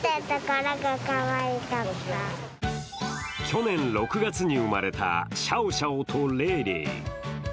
去年６月に生まれたシャオシャオとレイレイ。